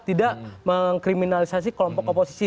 tidak mengkriminalisasi kelompok oposisi